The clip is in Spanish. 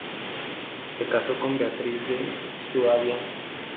Se casó con Beatriz de Suabia.